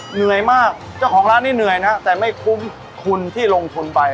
เหนื่อยมากเจ้าของร้านนี้เหนื่อยนะแต่ไม่คุ้มคุณที่ลงทุนไป